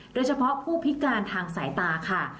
โดยเฉพาะผู้พิการทางสายตาค่ะ